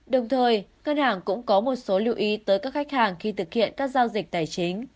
đồng thời ngân hàng cũng có một số lưu ý tới các khách hàng khi thực hiện các giao dịch tài chính